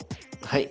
はい。